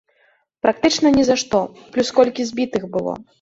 Практычна ні за што, плюс колькі збітых было.